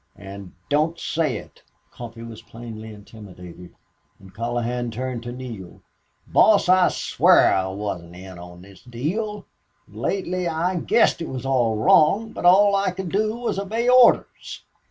"An' don't say it!" Coffee was plainly intimidated, and Colohan turned to Neale. "Boss, I swear I wasn't in on this deal. Lately I guessed it was all wrong. But all I could do was obey orders."